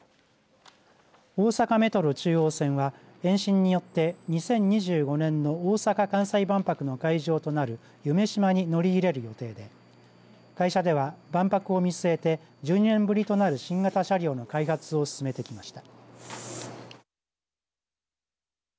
大阪メトロ中央線は延伸によって、２０２５年の大阪・関西万博の会場となる夢洲に乗り入れる予定で会社では、万博を見据えて１２年ぶりとなる新型車両の開発を進めてきました。